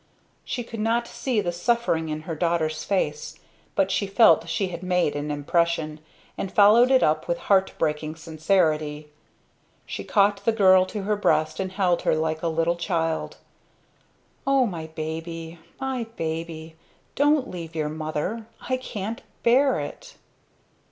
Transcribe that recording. She could not see the suffering in her daughter's face; but she felt she had made an impression, and followed it up with heart breaking sincerity. She caught the girl to her breast and held her like a little child. "O my baby! my baby! Don't leave your mother. I can't bear it!"